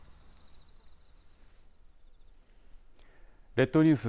列島ニュース